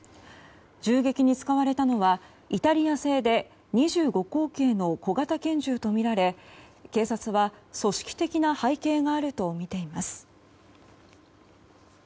銃撃に使われたのはイタリア製で２５口径の小型拳銃とみられ警察は組織的な背景があるとみています。